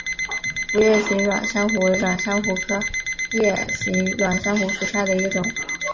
辐叶形软珊瑚为软珊瑚科叶形软珊瑚属下的一个种。